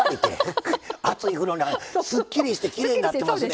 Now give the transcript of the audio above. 熱い風呂に入ってすっきりしてきれいになってますね。